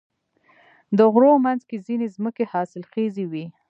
د غرونو منځ کې ځینې ځمکې حاصلخیزې وي.